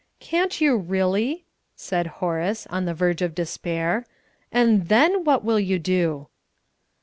"Can't you really?" said Horace, on the verge of despair. "And then, what will you do?"